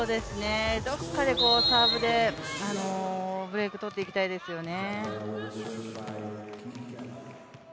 どこかでサーブでブレイクとっていきたいですよね。